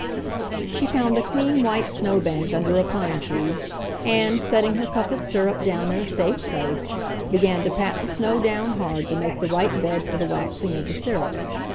She found a clean white snow bank under a pine tree, and, setting her cup of syrup down in a safe place, began to pat the snow down hard to make the right bed for the waxing of the syrup.